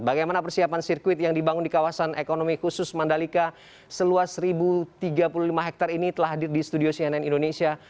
bagaimana persiapan sirkuit yang dibangun di kawasan ekonomi khusus mandalika seluas satu tiga puluh lima hektare ini telah hadir di studio cnn indonesia